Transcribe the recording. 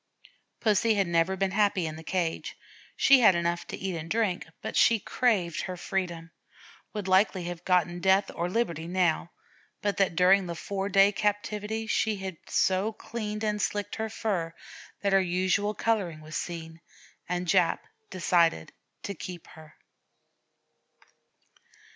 Pussy had never been happy in the cage. She had enough to eat and drink, but she craved her freedom would likely have gotten 'death or liberty' now, but that during the four days' captivity she had so cleaned and slicked her fur that her unusual coloring was seen, and Jap decided to keep her.